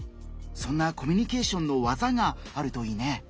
そんなコミュニケーションの技があるといいね。